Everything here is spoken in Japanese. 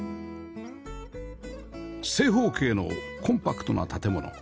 正方形のコンパクトな建物